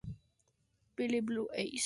Pale Blue Eyes